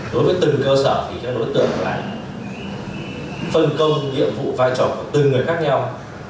đối với từng cơ sở thì các đối tượng là phân công nhiệm vụ vai trò của từng người khác nhau